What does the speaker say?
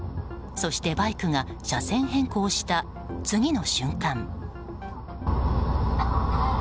そして、バイクが車線変更した次の瞬間。